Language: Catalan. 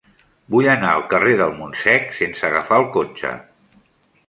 Vull anar al carrer del Montsec sense agafar el cotxe.